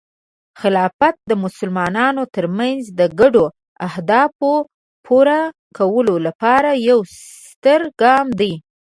خلافت د مسلمانانو ترمنځ د ګډو اهدافو پوره کولو لپاره یو ستر ګام دی.